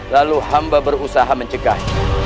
lalu hamba berusaha mencegah